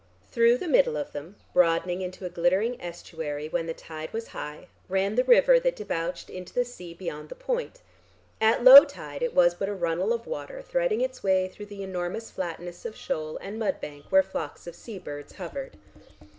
Through the middle of them broadening into a glittering estuary when the tide was high ran the river that debouched into the sea beyond the point; at low tide it was but a runnel of water threading its way through the enormous flatness of shoal and mud bank where flocks of sea birds hovered.